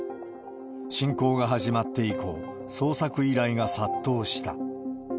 侵攻が始まって以降、捜索依頼が殺到した。